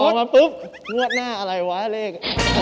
มาปุ๊บงวดหน้าอะไรวะเลข